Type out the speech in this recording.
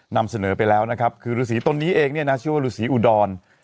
นำเสนอไปแล้วนะครับคือฤษีตนนี้เองเนี่ยนะชื่อว่าฤษีอุดร